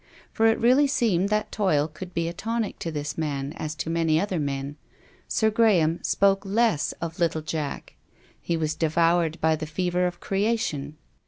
For it really seemed that toil could be a tonic to this man as to many other men. Sir Graham spoke less of little Jack. He was devoured by the fever of creation.